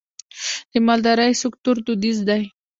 د مالدارۍ سکتور دودیز دی